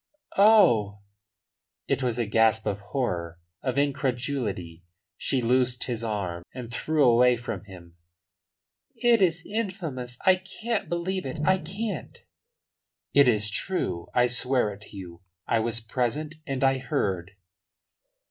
"Oh!" It was a gasp of horror, of incredulity. She loosed his arm and drew away from him. "It is infamous! I can't believe it. I can't." "It is true. I swear it to you. I was present, and I heard."